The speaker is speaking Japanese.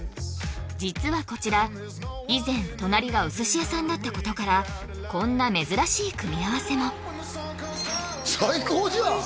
実はこちら以前隣がお寿司屋さんだったことからこんな珍しい組み合わせも最高じゃん！